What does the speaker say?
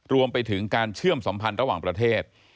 รวมไปถึงการเชื่อมสัมพันธ์ระหว่างประเทศ